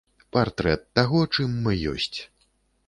Партрэт таго, чым мы ёсць.